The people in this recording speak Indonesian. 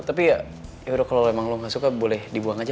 tapi ya yaudah kalau emang lo gak suka boleh dibuang aja